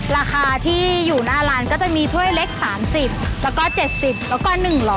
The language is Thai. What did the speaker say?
ราคาที่อยู่หน้าร้านก็จะมีถ้วยเล็ก๓๐แล้วก็๗๐แล้วก็๑๐๐